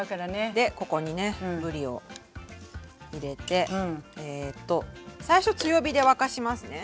でここにねぶりを入れてえと最初強火で沸かしますね。